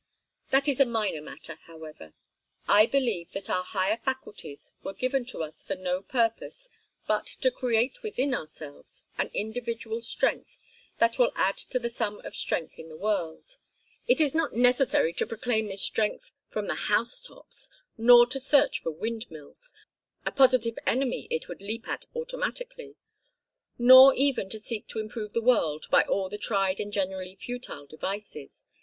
That is a minor matter, however. I believe that our higher faculties were given to us for no purpose but to create within ourselves an individual strength that will add to the sum of strength in the world. It is not necessary to proclaim this strength from the house tops, nor to search for windmills a positive enemy it would leap at automatically nor even to seek to improve the world by all the tried and generally futile devices.